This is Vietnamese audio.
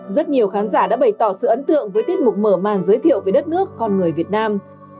rất nhiều khán giả đã bày tỏ sự ấn tượng với tiết mục mở màn giới thiệu về đất nước con người việt nam